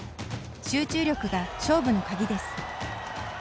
集中力が勝負の鍵です。